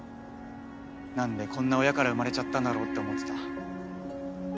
なんでこんな親から生まれちゃったんだろうって思ってた。